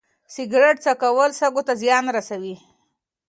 سګرټ څکول سږو ته زیان رسوي.